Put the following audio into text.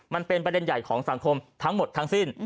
มันเป็นประเด็นใหญ่ของสังคมทั้งหมดทั้งสิ้น